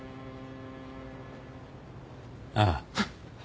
ああ。